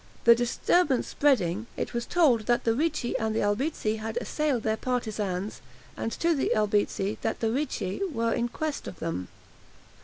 The disturbance spreading, it was told the Ricci that the Albizzi had assailed their partisans, and to the Albizzi that the Ricci were in quest of them.